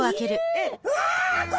えっ！